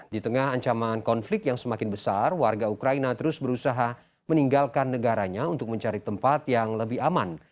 di tengah ancaman konflik yang semakin besar warga ukraina terus berusaha meninggalkan negaranya untuk mencari tempat yang lebih aman